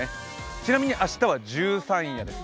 ちなみに明日は十三夜です。